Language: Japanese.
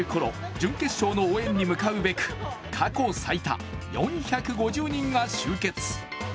準決勝の応援に向かうべく、過去最多、４５０人が集結。